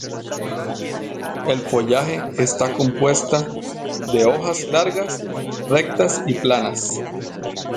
El follaje está compuesta de hojas largas, rectas y planas.